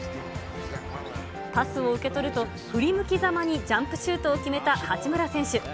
パスを受け取ると、振り向きざまにジャンプシュートを決めた八村選手。